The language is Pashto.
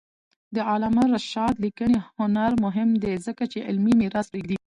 د علامه رشاد لیکنی هنر مهم دی ځکه چې علمي میراث پرېږدي.